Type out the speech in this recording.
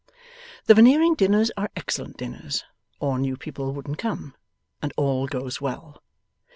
The Veneering dinners are excellent dinners or new people wouldn't come and all goes well.